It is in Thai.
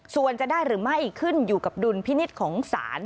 ส่วนจะได้หรือไม่ขึ้นอยู่กับดุลพินิษฐ์ของศาล